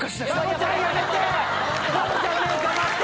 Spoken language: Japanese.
バボちゃんやめて！